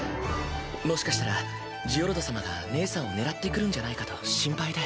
もしかしたらジオルド様が義姉さんを狙ってくるんじゃないかと心配で。